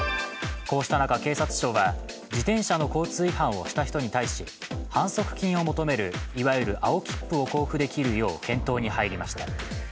こうした中、警察庁が自転車の交通違反をした人に対し反則金を求める、いわゆる青切符を交付できるよう検討に入りました。